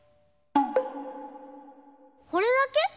これだけ？